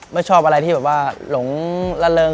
ไม่ชอบอะไรที่แบบว่าหลงละเริง